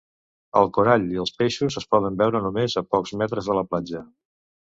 El corall i els peixos es poden veure només a pocs metres de la platja.